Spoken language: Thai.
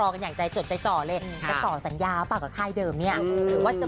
ก็ต่างแซวกันไปกันมาอย่างนี้